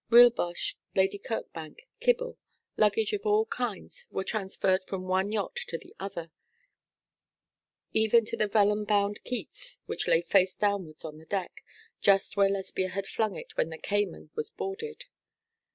Rilboche, Lady Kirkbank, Kibble, luggage of all kinds were transferred from one yacht to the other, even to the vellum bound Keats which lay face downwards on the deck, just where Lesbia had flung it when the Cayman was boarded.